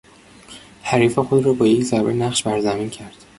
حریف خود را با یک ضربه نقش بر زمین کرد.